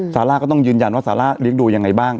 ซาร่าก็ต้องยืนยันว่าซาร่าเลี้ยงดูยังไงบ้าง